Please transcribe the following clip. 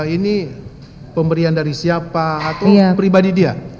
ini pemberian dari siapa atau pribadi dia